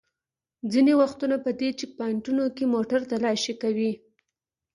ځینې وختونه په دې چېک پواینټونو کې موټر تالاشي کوي.